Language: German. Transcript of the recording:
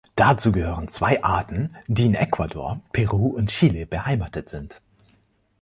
Dazu gehören zwei Arten, die in Ecuador, Peru und Chile beheimatet sind.